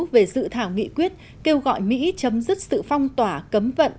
về dự thảo nghị quyết kêu gọi mỹ chấm dứt sự phong tỏa cấm vận